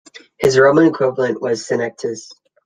His Roman equivalent was Senectus.